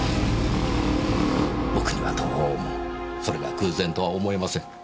僕にはどうもそれが偶然とは思えません。